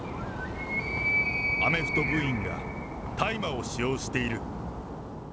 アメフト部員が大麻を使用している。